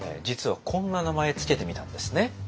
実はこんな名前付けてみたんですね。